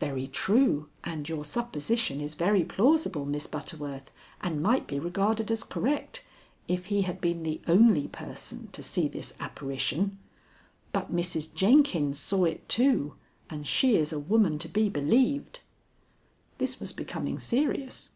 "Very true, and your supposition is very plausible, Miss Butterworth, and might be regarded as correct, if he had been the only person to see this apparition. But Mrs. Jenkins saw it too, and she is a woman to be believed." This was becoming serious.